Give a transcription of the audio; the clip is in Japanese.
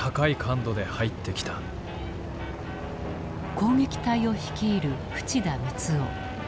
攻撃隊を率いる淵田美津雄。